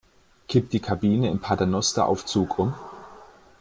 Kippt die Kabine im Paternosteraufzug um?